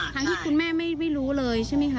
ที่คุณแม่ไม่รู้เลยใช่ไหมคะ